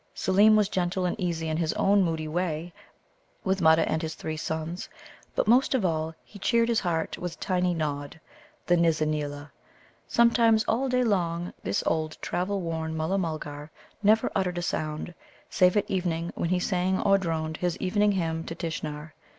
Seelem was gentle and easy in his own moody way with Mutta and his three sons, but, most of all, he cheered his heart with tiny Nod, the Nizza neela. Sometimes all day long this old travel worn Mulla mulgar never uttered a sound, save at evening, when he sang or droned his evening hymn to Tishnar.